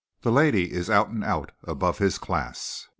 The lady is out and out above his class.